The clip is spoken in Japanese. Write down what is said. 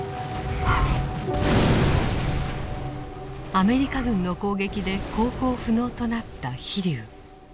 アメリカ軍の攻撃で航行不能となった「飛龍」。